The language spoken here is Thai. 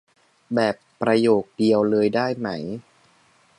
แบบประโยคเดียวเลยได้ไหม